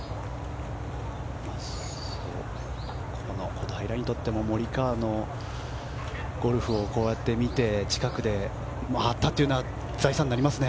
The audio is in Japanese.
小平にとっても、モリカワのゴルフをこうやって見て近くで見れたのは財産になりますね。